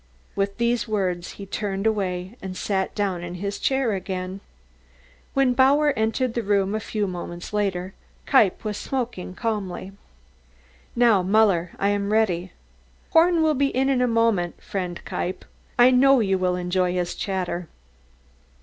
With these words he turned away and sat down in his chair again. When Bauer entered the room a few moments later, Kniepp was smoking calmly. "Now, Muller, I'm ready. Horn will be in in a moment, friend Kniepp; I know you will enjoy his chatter."